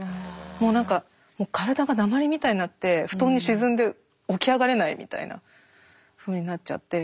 もう何か体が鉛みたいになって布団に沈んで起き上がれないみたいなふうになっちゃって。